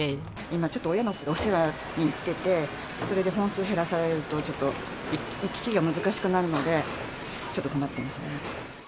今ちょっと親のお世話に行ってて、それで本数減らされると、ちょっと行き来が難しくなるので、ちょっと困ってますね。